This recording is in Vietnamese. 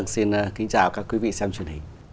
xin kính chào các quý vị xem truyền hình